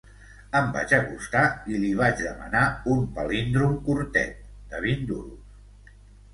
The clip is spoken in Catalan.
Em vaig acostar i li vaig demanar un palíndrom curtet, de vint duros.